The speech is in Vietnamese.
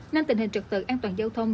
nên tình hình trật tự an toàn giao thông